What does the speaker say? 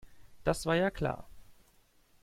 Das war ja klar.